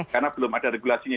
karena belum ada regulasinya